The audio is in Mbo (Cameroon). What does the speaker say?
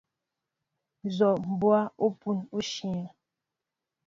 Nzoʼ e mɓɔa opun oshyɛέŋ.